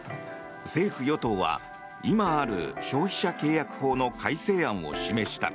政府・与党は今ある消費者契約法の改正案を示した。